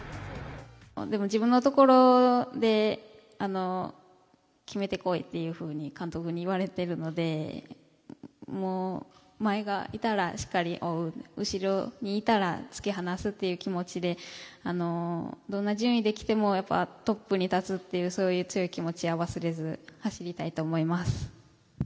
自分のところで決めてこいっていうふうに監督に言われているので、前がいたらしっかり追う後ろにいたら、突き放すっていう気持ちでどんな順位で来てもトップに立つという強い気持ちは忘れず走りたいと思います。